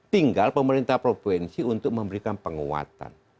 tinggal pemerintah provinsi untuk memberikan penguatan